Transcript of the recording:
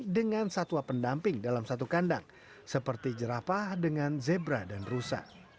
dengan satwa pendamping dalam satu kandang seperti jerapah dengan zebra dan rusa